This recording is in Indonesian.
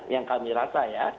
yang kami rasa ya